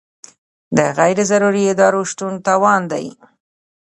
د غیر ضروري ادارو شتون تاوان دی.